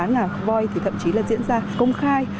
ngà voi thì thậm chí là diễn ra công khai